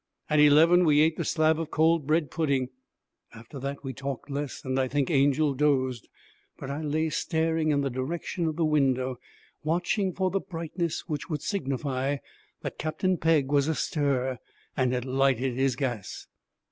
At eleven we ate the slab of cold bread pudding. After that we talked less, and I think Angel dozed, but I lay staring in the direction of the window, watching for the brightness which would signify that Captain Pegg was astir and had lighted his gas.